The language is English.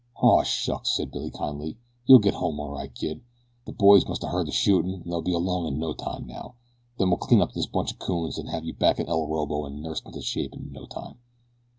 "Aw, shucks!" said Billy kindly. "You'll get home all right, kid. The boys must a heard the shootin' an' they'll be along in no time now. Then we'll clean up this bunch o' coons an' have you back to El Orobo an' nursed into shape in no time."